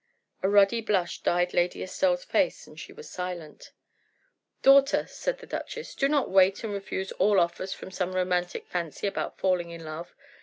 A ruddy blush dyed Lady Estelle's face, and she was silent. "Daughter," said the duchess, "do not wait and refuse all offers from some romantic fancy about falling in love.